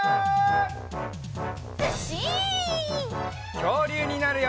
きょうりゅうになるよ！